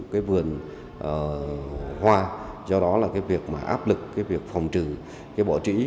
cái vườn hoa do đó là cái việc mà áp lực cái việc phòng trừ cái bỏ trĩ